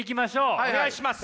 お願いします。